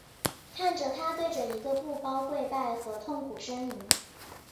看着他对着一个布包跪拜和痛苦呻吟。